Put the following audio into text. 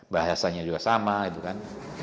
bahasanya juga sama gitu kan